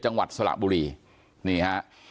จังหวัดสระบุรีนี่ฮะ